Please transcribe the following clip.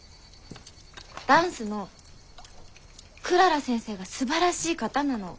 ダンスのクララ先生がすばらしい方なの。